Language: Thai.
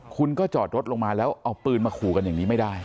คุณก็จอดรถลงมาแล้วเอาปืนมาขู่กันอย่างนี้ไม่ได้